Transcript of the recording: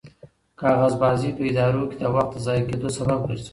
کاغذبازي په ادارو کې د وخت د ضایع کېدو سبب ګرځي.